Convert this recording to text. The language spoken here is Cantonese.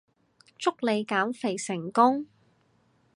祝你減肥成功